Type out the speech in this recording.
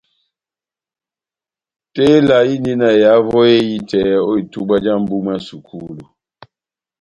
Tela indi na ehavo ehitɛ ó itubwa já mbúh mwá sukulu.